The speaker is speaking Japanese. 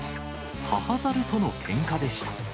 母ザルとのけんかでした。